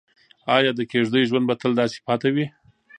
ایا د کيږديو ژوند به تل داسې پاتې وي؟